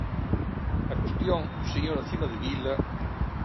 Á cuestión, señora Cimadevila.